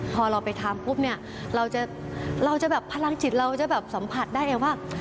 พอเราไปทำปุ๊บเนี่ยเราจะแบบพลังจิตเราจะแบบสัมผัสได้ไงว่า